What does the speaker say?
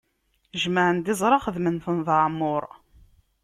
Jemɛen-d iẓra, xedmen-ten d aɛemmuṛ.